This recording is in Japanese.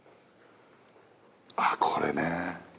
あっこれね。